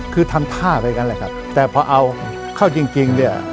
คือทำท่าไปกันแหละครับแต่พอเอาเข้าจริงเนี่ย